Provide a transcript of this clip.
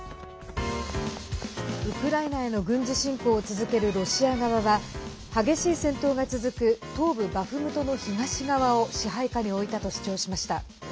ウクライナへの軍事侵攻を続けるロシア側は激しい戦闘が続く東部バフムトの東側を支配下に置いたと主張しました。